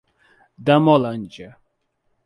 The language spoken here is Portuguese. Damolândia